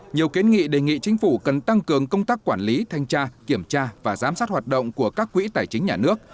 nhiều kiến nghị đề nghị chính phủ cần tăng cường công tác quản lý thanh tra kiểm tra và giám sát hoạt động của các quỹ tài chính nhà nước